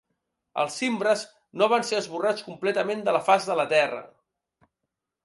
Els cimbres no van ser esborrats completament de la faç de la terra.